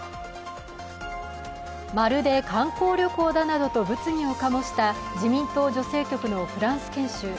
まるで観光旅行だなどと物議を醸した自民党女性局のフランス研修。